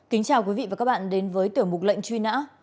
kính chào quý vị và các bạn đến với tiểu mục lệnh truy nã